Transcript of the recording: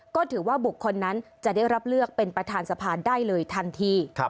ก็ถือว่าบุคคลนั้นจะได้รับเลือกเป็นประธานสภาได้เลยทันที